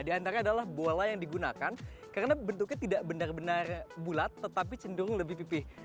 di antara adalah bola yang digunakan karena bentuknya tidak benar benar bulat tetapi cenderung lebih pipih